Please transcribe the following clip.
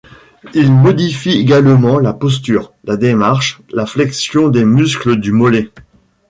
Ils modifient également la posture, la démarche, la flexion des muscles du mollet.